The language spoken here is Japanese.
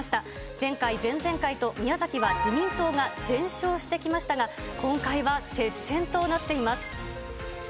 前回、前々回と宮崎は自民党が全勝してきましたが、今回は接戦となっています。